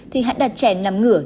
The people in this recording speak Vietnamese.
thì hãy đặt trẻ nắm ngửa